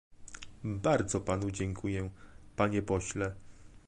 Bardzo panu dziękuję, panie pośle